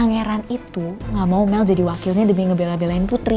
pangeran itu gak mau mel jadi wakilnya demi ngebela belain putri